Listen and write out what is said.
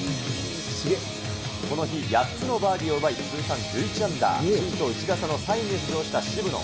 この日、８つのバーディーを奪い、通算１１アンダー、首位と１打差の３位に浮上した渋野。